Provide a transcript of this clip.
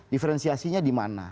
diferensiasinya di mana